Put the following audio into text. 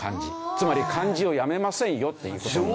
つまり漢字をやめませんよっていう事。